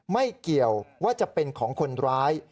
ไม่เกี่ยวว่าจะเป็นของคนร้าย